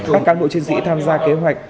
các cán bộ chiến sĩ tham gia kế hoạch